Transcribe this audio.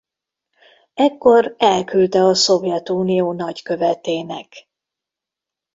Ekkor elküldte a Szovjetunió nagykövetének.